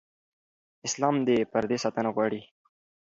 اسلام د پردې ساتنه غواړي.